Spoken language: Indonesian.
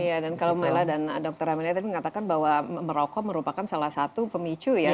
iya dan kalau maila dan dr amelia tadi mengatakan bahwa merokok merupakan salah satu pemicu ya